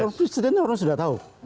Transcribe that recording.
kalau presidennya orang sudah tahu